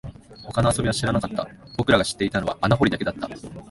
他の遊びは知らなかった、僕らが知っていたのは穴掘りだけだった